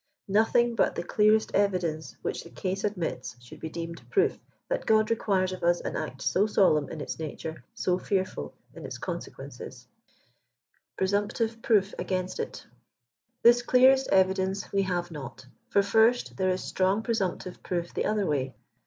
Nothing but the clear est evidence which the case admits, should be deemed proof that God requires of us an act so solemn in its nature, so fear fill in its consequences, 11 123 PRE8UMPTITE PROOF AGAINST IT. This clearest evidence we have not. For first, there is strong presumptive proof the other way.